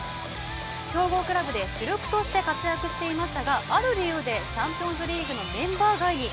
強豪クラブで主力として活躍していましたがある理由でチャンピオンズリーグのメンバー外に。